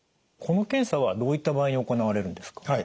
この検査はどういった場合に行われるんですか？